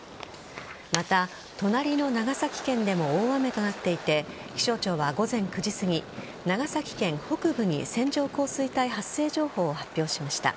また、隣の長崎県でも大雨となっていて気象庁は午前９時すぎ長崎県北部に線状降水帯発生情報を発表しました。